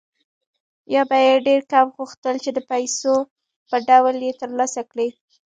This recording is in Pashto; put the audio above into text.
یا به یې ډېر کم غوښتل چې د پیسو په ډول یې ترلاسه کړي